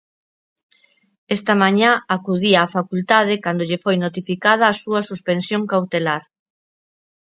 Esta mañá acudía a facultade cando lle foi notificada a súa suspensión cautelar.